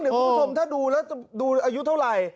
เดี๋ยวผมดูอายุเท่าไหร่